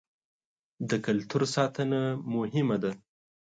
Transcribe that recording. د کلتور ساتنه مهمه ده.